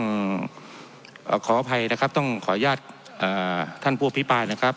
ควรขอผิดนะครับต้องขออนุญาตท่านพัวพิปรายนะครับ